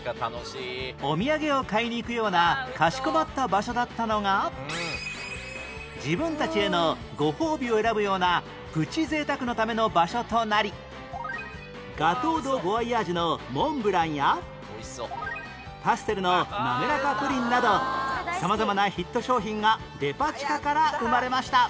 お土産を買いに行くようなかしこまった場所だったのが自分たちへのご褒美を選ぶようなプチ贅沢のための場所となりガトー・ド・ボワイヤージュのモンブランやパステルのなめらかプリンなど様々なヒット商品がデパ地下から生まれました